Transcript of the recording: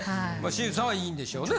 新内さんはいいんでしょうね